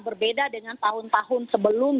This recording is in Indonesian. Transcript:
berbeda dengan tahun tahun sebelum